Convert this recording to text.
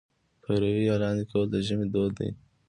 پېروی یا لاندی کول د ژمي دود دی.